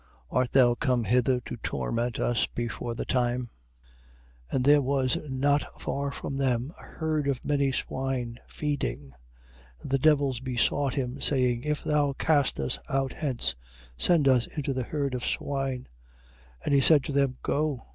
art thou come hither to torment us before the time? 8:30. And there was, not far from them, a herd of many swine feeding. 8:31. And the devils besought him, saying: If thou cast us out hence, send us into the herd of swine. 8:32. And he said to them: Go.